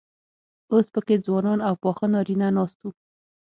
اوس پکې ځوانان او پاخه نارينه ناست وو.